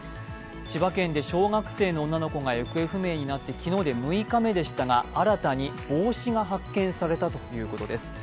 千葉県で小学生の女の子が行方不明になって昨日で６日目でしたが新たに帽子が発見されたということです。